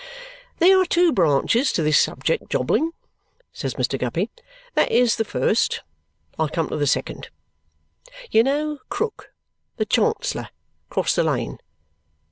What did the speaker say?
"There are two branches to this subject, Jobling," says Mr. Guppy. "That is the first. I come to the second. You know Krook, the Chancellor, across the lane.